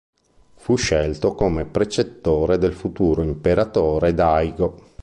Fu scelto come precettore del futuro imperatore Daigo.